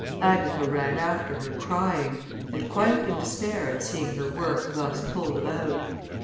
Agatha ran after her crying, and quite in despair at seeing her work thus pulled about.